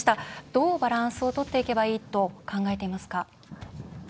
どうバランスをとっていけばいいと考えていますか？